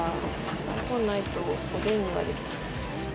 大根ないとおでんができない。